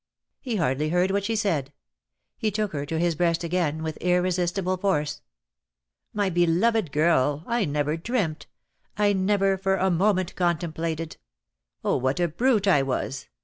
He hardly heard what she said. He took her to his breast again with irresistible force. "My beloved girl — I never dreamt — I never for a moment contemplated Oh, what a brute I was!